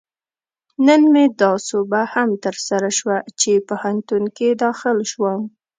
نن مې دا سوبه هم ترسره شوه، چې پوهنتون کې داخل شوم